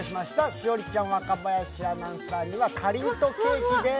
栞里ちゃん、若林アナウンサーにはＣａｒｉｎ＆ケーキです。